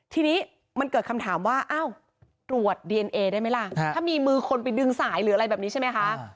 ทีนี้มันเกิดคำถามว่าอ้าวตรวจดีเอนเอได้ไหมล่ะถ้ามีมือคนไปดึงสายหรืออะไรแบบนี้ใช่ไหมคะ